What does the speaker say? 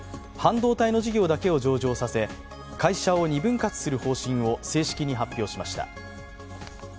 半導体の事業だけを上場させ会社を２分割させる方針を正式に発表しました。